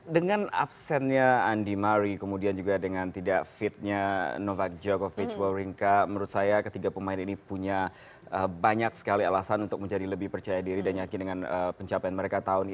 dengan absennya andy murray kemudian juga dengan tidak fitnya novak djokovic wawrinka menurut saya ketiga pemain ini punya banyak sekali alasan untuk menjadi lebih percaya diri dan yakin dengan pencapaian mereka tahun ini ya